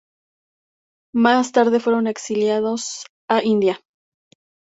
Más tarde fueron exiliados a India.